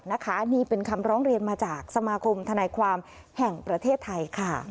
นี่เป็นคำร้องเรียนมาจากสมาคมธนายความแห่งประเทศไทยค่ะ